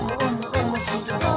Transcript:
おもしろそう！」